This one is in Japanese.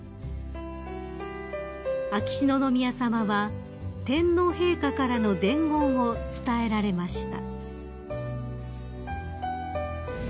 ［秋篠宮さまは天皇陛下からの伝言を伝えられました］